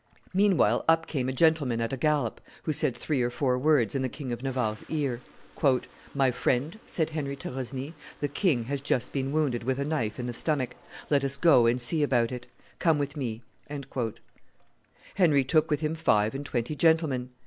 Meanwhile up came a gentleman at a gallop, who said three or four words in the King of Navarre's ear. "My friend," said Henry to Rosny, "the king has just been wounded with a knife in the stomach; let us go and see about it; come with me." Henry took with him five and twenty gentlemen.